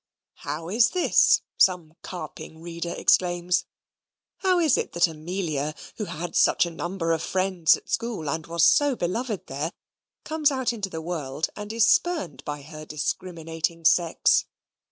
How is this? some carping reader exclaims. How is it that Amelia, who had such a number of friends at school, and was so beloved there, comes out into the world and is spurned by her discriminating sex?